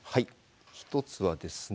一つはですね